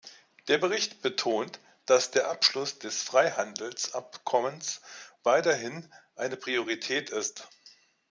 Der Bericht betont, dass der Abschluss des Freihandelsabkommens weiterhin eine Priorität ist.